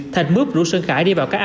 thạch mước rủ sơn khải đi vào các ao nông